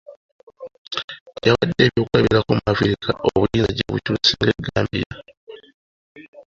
Yawade ebyokulabirako mu Africa obuyinza gye bukyuse nga e Gambia.